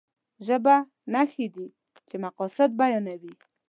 ژبه نښې دي چې مقاصد بيانوي.